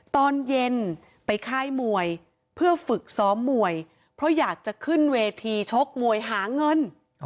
ตอนเย็นไปค่ายมวยเพื่อฝึกซ้อมมวยเพราะอยากจะขึ้นเวทีชกมวยหาเงิน